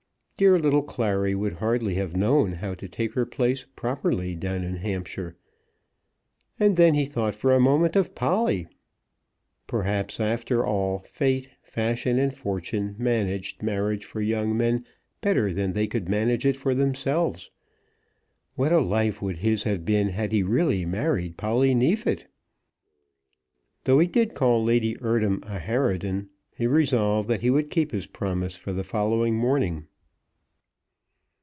Dear little Clary would hardly have known how to take her place properly down in Hampshire. And then he thought for a moment of Polly! Perhaps, after all, fate, fashion, and fortune managed marriage for young men better than they could manage it for themselves. What a life would his have been had he really married Polly Neefit! Though he did call Lady Eardham a harridan, he resolved that he would keep his promise for the following morning.